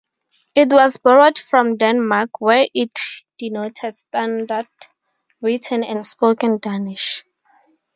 It was borrowed from Denmark where it denoted standard written and spoken Danish.